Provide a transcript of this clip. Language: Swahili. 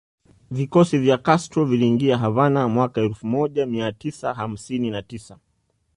Vikosi vya Castro viliingia Havana mwaka elfu moja mia tisa hamsini na tisa